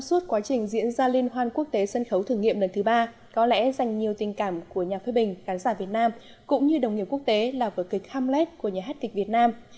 suốt quá trình diễn ra liên hoan quốc tế sân khấu thử nghiệm lần thứ ba có lẽ dành nhiều tình cảm của nhà phê bình khán giả việt nam cũng như đồng nghiệp quốc tế là vở kịch hamplete của nhà hát kịch việt nam